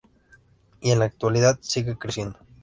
Y en la actualidad sigue creciendo.